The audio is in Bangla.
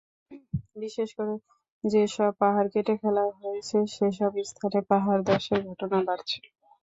বিশেষ করে যেসব পাহাড় কেটে ফেলা হয়েছে, সেসব স্থানে পাহাড়ধসের ঘটনা বাড়ছে।